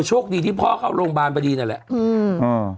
โชคดีที่พ่อเข้าโรงพยาบาลพอดีนั่นแหละอืมอ่า